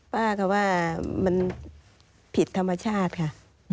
ป้าก็ว่ามันผิดธรรมชาติค่ะ